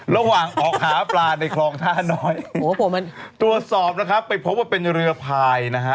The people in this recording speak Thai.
ระหว่างออกหาปลาในครองท่าน้อยตัวสอบนะครับไปพบว่าเป็นเรือพายนะฮะ